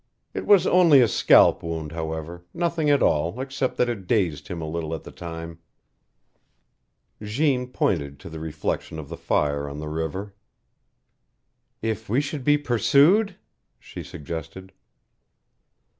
"It was only a scalp wound, however nothing at all, except that it dazed him a little at the time." Jeanne pointed to the reflection of the fire on the river. "If we should be pursued?" she suggested.